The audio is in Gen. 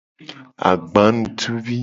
Agbanutuvi.